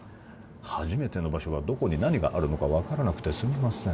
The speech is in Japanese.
初めての場所はどこに何があるのか分からなくてすみません